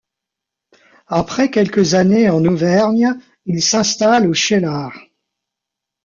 Après quelques années en Auvergne, il s'installe au Cheylard.